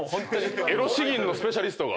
エロ詩吟のスペシャリストが。